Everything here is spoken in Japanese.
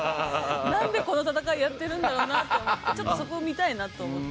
なんでこの戦いやってるんだろうなって思ってちょっとそこ見たいなと思って。